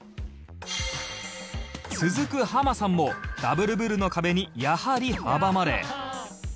続くハマさんもダブルブルの壁にやはり阻まれ